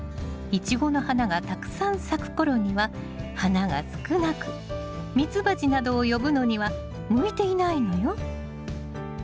イチゴの花がたくさん咲く頃には花が少なく蜜蜂などを呼ぶのには向いていないのよ。